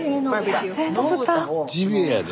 ジビエやで。